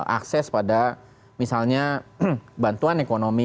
akses pada misalnya bantuan ekonomi